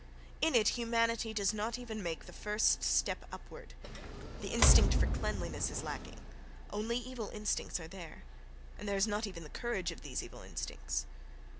In it humanity does not even make the first step upward—the instinct for cleanliness is lacking.... Only evil instincts are there, and there is not even the courage of these evil instincts.